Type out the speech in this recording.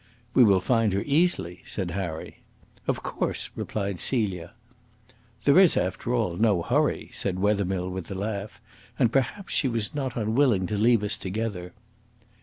"We will find her easily," said Harry. "Of course," replied Celia. "There is, after all, no hurry," said Wethermill, with a laugh; "and perhaps she was not unwilling to leave us together."